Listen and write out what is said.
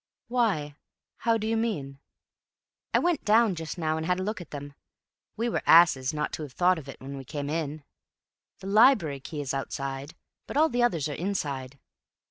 "Why, how do you mean?" "I went down just now and had a look at them. We were asses not to have thought of it when we came in. The library key is outside, but all the others are inside."